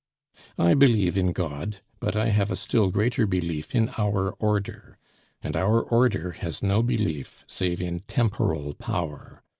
I believe in God, but I have a still greater belief in our Order, and our Order has no belief save in temporal power.